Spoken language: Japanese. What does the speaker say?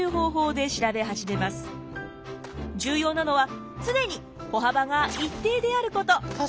重要なのは常に歩幅が一定であること。